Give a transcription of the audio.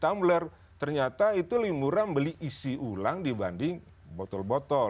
tumbler ternyata itu lebih murah beli isi ulang dibanding botol botol